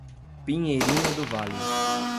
Pinheirinho do Vale